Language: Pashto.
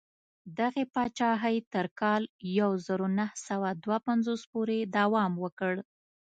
دغې پاچاهۍ تر کال یو زر نهه سوه دوه پنځوس پورې دوام وکړ.